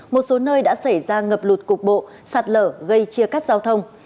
một số nơi đã xảy ra ngập lụt cục bộ sạt lở gây chia cắt giao thông